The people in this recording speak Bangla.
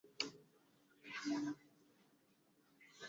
কোনো জাঁকজমকপূর্ণ স্তম্ভ নেই, স্মারক ফলক নেই, ফুলে-ফুলে ভরা বাগান নেই।